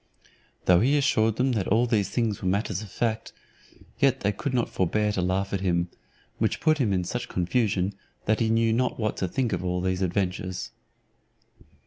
Though he assured them that all these things were matters of fact, yet they could not forbear to laugh at him: which put him into such confusion, that he knew not what to think of all those adventures.